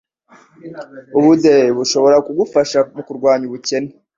ubudehe bushobora gufasha mu kurwanya ubukene,